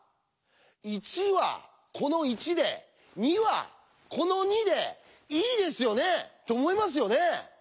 「１」はこの「１」で「２」はこの「２」でいいですよね？と思いますよね？